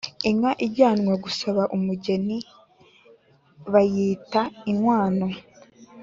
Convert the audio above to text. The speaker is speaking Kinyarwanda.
Inka ijyanwa gusaba umugenibayita inkwano